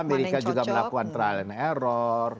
amerika juga melakukan trial and error